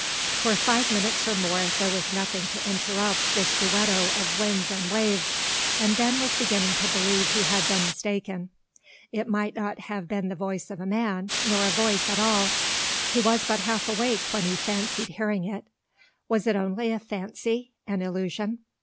For five minutes or more there was nothing to interrupt this duetto of winds and waves, and Ben was beginning to believe he had been mistaken. It might not have been the voice of a man, nor a voice at all. He was but half awake when he fancied hearing it. Was it only a fancy, an illusion?